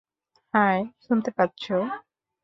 High, শুনতে পাচ্ছো?